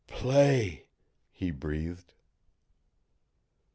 "Play!" he breathed.